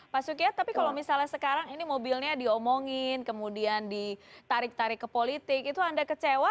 pak sukyat tapi kalau misalnya sekarang ini mobilnya diomongin kemudian ditarik tarik ke politik itu anda kecewa